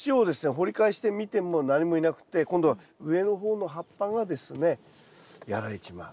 掘り返してみても何もいなくて今度は上の方の葉っぱがですねやられちまう。